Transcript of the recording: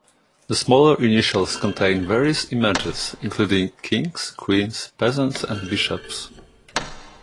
The smaller initials contain various images, including kings, queens, peasants, and bishops.